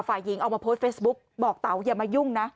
ฝ่ายหญิงเอามาโพสต์เฟซบุ๊กบอกเต๋าอย่ามายุ่งนะ